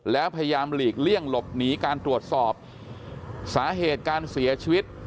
แล้วพยายามหลีกเลี่ยงหลบหนีการตรวจสอบสาเหตุการเสียชีวิต